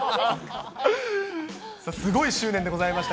すごい執念でございました。